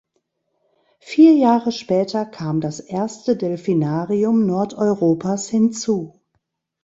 Vier Jahre später kam das erste Delfinarium Nordeuropas hinzu.